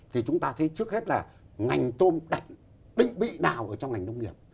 thì chúng ta thấy trước hết là ngành tôm đặt định vị nào ở trong ngành nông nghiệp